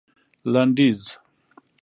لنډيز